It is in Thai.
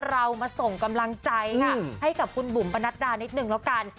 เรามาส่งกำลังใจค่ะให้กับคุณบุ๋มปนัดดานิดนึงแล้วกัน